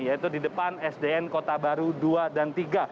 yaitu di depan sdn kota baru dua dan tiga